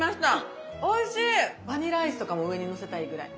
バニラアイスとかも上にのせたいぐらい。